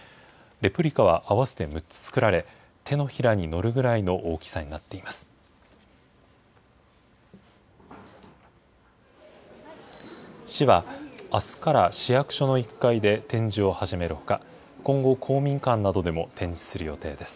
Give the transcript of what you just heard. レプリカは合わせて６つ作られ、手のひらにのるぐらいの大きさになっています。